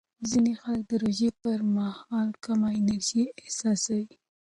ځینې خلک د روژې پر مهال کم انرژي احساسوي.